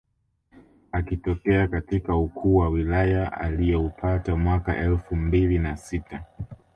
Akitokea katika ukuu wa wilaya alioupata mwaka elfu mbili na sita